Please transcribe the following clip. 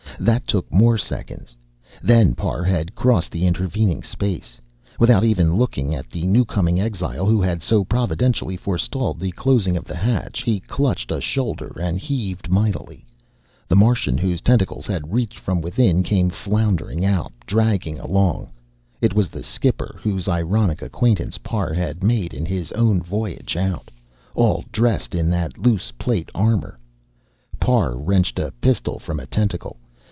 That took more seconds then Parr had crossed the intervening space. Without even looking at the newcoming exile who had so providentially forestalled the closing of the hatch, he clutched a shoulder and heaved mightily. The Martian whose tentacles had reached from within came floundering out, dragged along it was the skipper whose ironic acquaintance Parr had made in his own voyage out, all dressed in that loose plate armor. Parr wrenched a pistol from a tentacle.